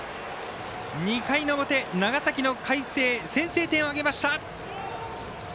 ２回の表、長崎の海星先制点を挙げました。